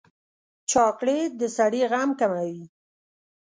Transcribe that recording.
چاکلېټ د سړي غم کموي.